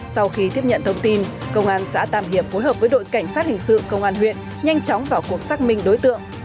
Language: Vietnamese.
sau khi tiếp nhận thông tin công an xã tam hiệp phối hợp với đội cảnh sát hình sự công an huyện nhanh chóng vào cuộc xác minh đối tượng